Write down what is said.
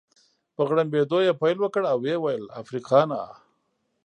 په غړمبېدو يې پیل وکړ او ويې ویل: افریقانا.